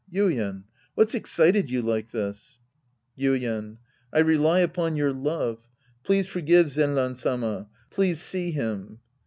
Yuien. What's excited you like this ? Yuien. I rely upon your love. Please forgive 2^nran Sama. Please see him.